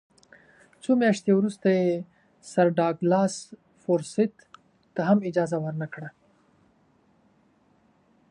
څو میاشتې وروسته یې سر ډاګلاس فورسیت ته هم اجازه ورنه کړه.